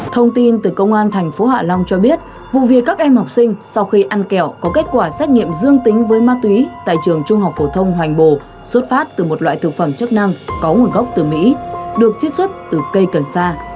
thông tin từ công an thành phố hạ long cho biết vụ việc các em học sinh sau khi ăn kẹo có kết quả xét nghiệm dương tính với ma túy tại trường trung học phổ thông hoành bồ xuất phát từ một loại thực phẩm chức năng có nguồn gốc từ mỹ được chiết xuất từ cây cần sa